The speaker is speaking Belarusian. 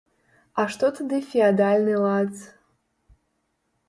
А што тады феадальны лад?